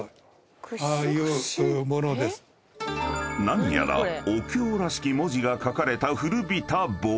［何やらお経らしき文字が書かれた古びた棒］